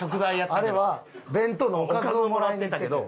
あれは弁当のおかずをもらってたけど。